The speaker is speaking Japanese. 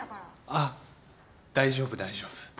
あっ大丈夫大丈夫。